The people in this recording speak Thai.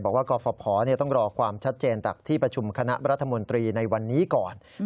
กรฟภต้องรอความชัดเจนจากที่ประชุมคณะรัฐมนตรีในวันนี้ก่อน